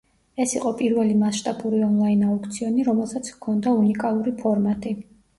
ეს იყო პირველი მასშტაბური ონლაინ აუქციონი, რომელსაც ჰქონდა უნიკალური ფორმატი.